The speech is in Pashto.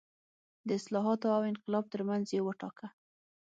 د اصلاحاتو او انقلاب ترمنځ یو وټاکه.